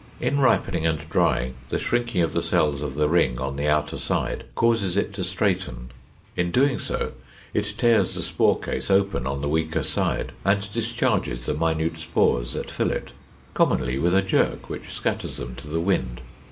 In ripening and drying the shrinking of the cells of the ring on the outer side causes it to straighten; in doing so it tears the spore case open on the weaker side and discharges the minute spores that fill it, commonly with a jerk which scatters them to the wind.